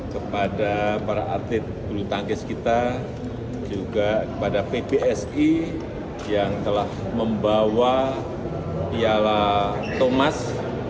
kepada para atlet bulu tangkis kita juga kepada pbsi yang telah membawa piala thomas